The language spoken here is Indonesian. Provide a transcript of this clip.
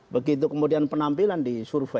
begitu kemudian penampilan disurvey